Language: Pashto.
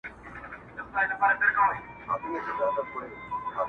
نو گراني تاته په ښكاره نن داخبره كوم_